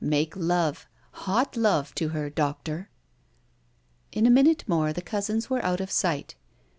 "Make love hot love to her, doctor!" In a minute more the cousins were out of sight.